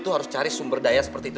seomong omong lu apa aja yang itu